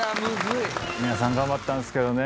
い皆さん頑張ったんですけどね